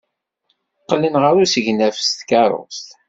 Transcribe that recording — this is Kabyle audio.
Qqlen ɣer usegnaf s tkeṛṛust.